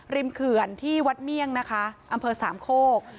เขื่อนที่วัดเมี่ยงนะคะอำเภอสามโคก